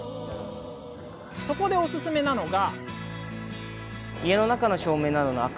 そこで、おすすめなのが。